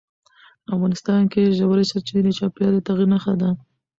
افغانستان کې ژورې سرچینې د چاپېریال د تغیر نښه ده.